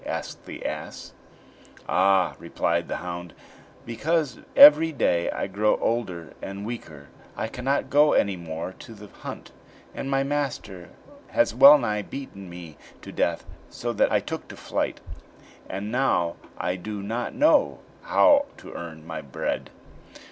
asked the ass. "Ah," replied the hound, "because every day I grow older and weaker; I cannot go any more to the hunt, and my master has well nigh beaten me to death, so that I took to flight; and now I do not know how to earn my bread."